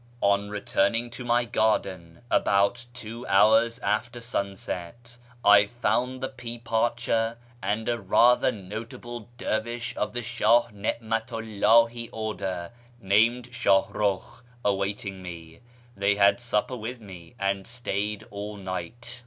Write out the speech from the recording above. On returning to my garden about two hours after sunset, I found the pea parcher and a rather notable dervish of the Shah Xi'matu 'llahi order, named Shahrukh, awaiting me. They had supper with me, and stayed all night.